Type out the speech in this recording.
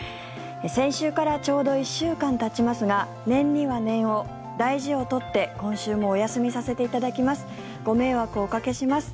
先週からちょうど１週間たちますが念には念を、大事を取って今週もお休みさせていただきますご迷惑をおかけします